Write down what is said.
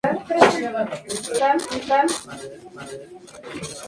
Realizó estudios en el Instituto Balear.